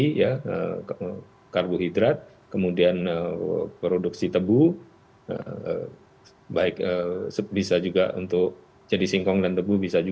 nah ini kita harap bisa kita kurangi ya yang ada di dalam program itu adalah untuk produksi singkong sebagai sumber papi